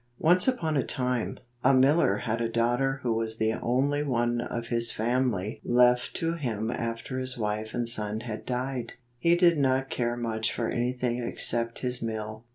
Once upon a time, a miller had a daughter who was the only one of his family left to him after his wife and son had died. He did not care much for anything except his mill.